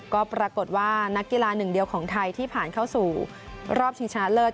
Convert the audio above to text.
ก็ปรากฏว่านักกีฬาหนึ่งเดียวของไทยที่ผ่านเข้าสู่รอบชิงชนะเลิศ